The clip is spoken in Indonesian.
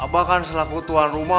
apakah selaku tuan rumah